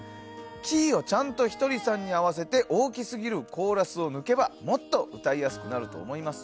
キーをちゃんと、ひとりさんに合わせて大きすぎるコーラスを抜けばもっと歌いやすくなると思います。